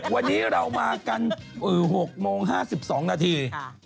วันนี้เรามากัน๖โมง๕๒นาที